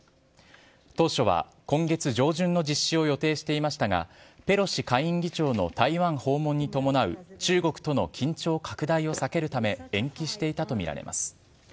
当初は今月上旬の実施を予定していましたがペロシ下院議長の台湾訪問に伴う中国との緊張拡大を避けるため延期していたとみられます。